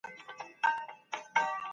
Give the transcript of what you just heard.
د زعفرانو پیاز باید روغ او قوي وي.